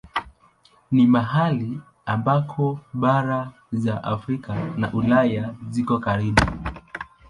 Ni mahali ambako bara za Afrika na Ulaya ziko karibu.